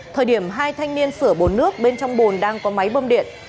thời điểm hai thanh niên sửa bồn nước bên trong bồn đang có máy bơm điện